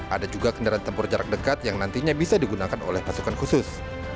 ada juga kendaraan tempur jarak dekat yang nantinya bisa digunakan oleh pasukan khusus